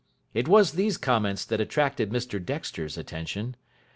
It was these comments that attracted Mr Dexter's attention.